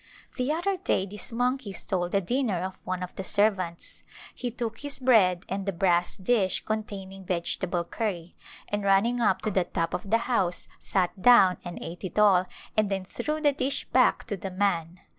The other day this monkey stole the dinner of one of the servants. He took his bread and the brass dish containing vegetable curry, and running up to the top of the house sat down and ate it all and then threw the dish back to the man.